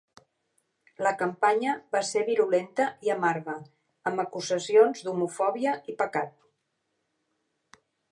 La campanya va ser virulenta i amarga, amb acusacions d'homofòbia i pecat.